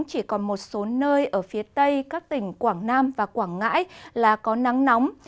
chỉ còn một số nơi ở phía tây các tỉnh quảng nam và quảng ngãi là có nắng nóng